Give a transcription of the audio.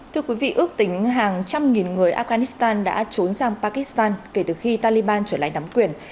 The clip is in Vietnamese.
thưa quý vị ước tính hàng trăm nghìn người afghanistan đã trốn sang pakistan kể từ khi taliban trở lại nắm quyền